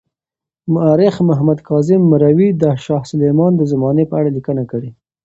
مورخ محمد کاظم مروي د شاه سلیمان د زمانې په اړه لیکنه کړې.